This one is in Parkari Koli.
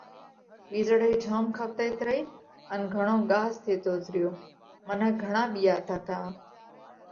وِيزۯئِي جوم کوَتئِيت رئِي، ان گھڻو ڳاز ٿيتوت ريو۔ منک گھڻا ٻِيئاتا تا۔